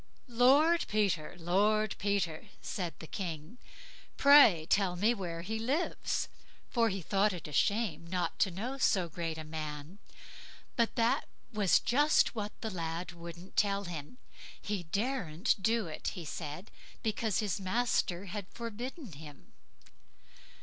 "Lord Peter! Lord Peter!" said the King. "Pray tell me where he lives"; for he thought it a shame not to know so great a man. But that was just what the lad wouldn't tell him; he daren't do it, he said, because his master had forbidden him.